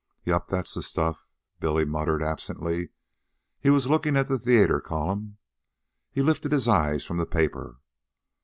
"Yep, that's the stuff," Billy muttered absently. He was looking at the theater column. He lifted his eyes from the paper.